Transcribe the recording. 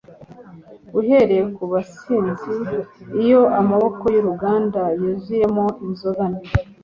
uhereye ku basinzi; iyo amaboko y'uruganda yuzuyemo inzoga mbi